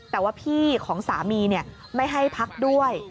แต่ว่าพี่ของสามีไม่ให้พักด้วย